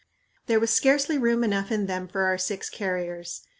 There was scarcely room enough in them for our six carriers.